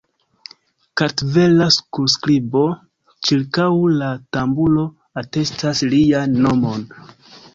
Kartvela surskribo ĉirkaŭ la tamburo atestas lian nomon.